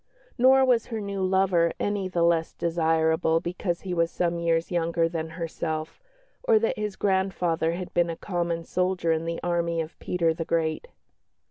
Nor was her new lover any the less desirable because he was some years younger than herself, or that his grandfather had been a common soldier in the army of Peter the Great.